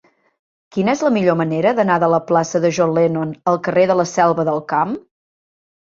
Quina és la millor manera d'anar de la plaça de John Lennon al carrer de la Selva del Camp?